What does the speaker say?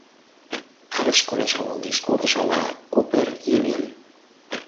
Ara es coneix com el Discurs a la Cooper Union.